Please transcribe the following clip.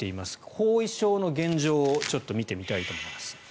後遺症の現状を見てみたいと思います。